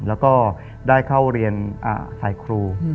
แล้วก็ได้เข้าเรียนถ่ายครู